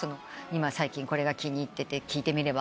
「最近これが気に入ってて聴いてみれば？」